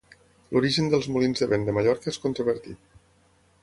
L'origen dels molins de vent de Mallorca és controvertit.